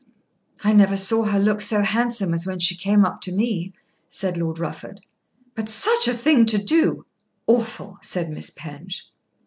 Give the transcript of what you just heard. "I never saw her look so handsome as when she came up to me," said Lord Rufford. "But such a thing to do!" "Awful!" said Miss Penge.